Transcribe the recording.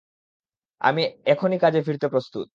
আমি এখনই কাজে ফিরতে প্রস্তুত।